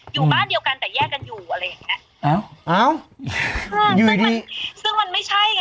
อยู่บ้านเดียวกันแต่แยกกันอยู่อะไรอย่างเงี้ยอ้าวอ้าวซึ่งมันซึ่งมันไม่ใช่ไง